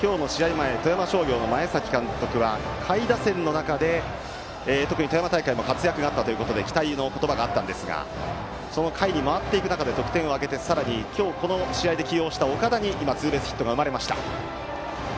前富山商業の前崎監督は下位打線の中で特に富山大会でも活躍があったということで期待の言葉があったんですがその下位に回っていく中で得点を挙げて、さらに今日、この試合で起用した岡田にツーベースヒットが生まれました。